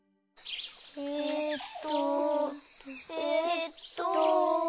えっとえっと。